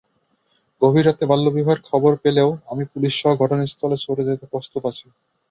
গভীর রাতে বাল্যবিবাহের খবর পেলেও আমি পুলিশসহ ঘটনাস্থলে ছুটে যেতে প্রস্তুত আছি।